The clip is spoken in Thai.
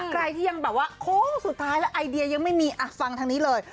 ใครที่ยังแบบว่าโค้งสุดท้ายแล้วไอเดียยังไม่มีฟังทางนี้เลย